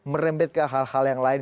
merembet ke hal hal yang lain